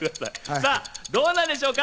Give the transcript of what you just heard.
さぁ、どうなんでしょうか。